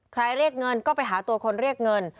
เรียกเงินก็ไปหาตัวคนเรียกเงิน